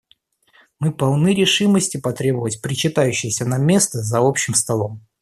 Мы полны решимости потребовать причитающееся нам место за общим столом.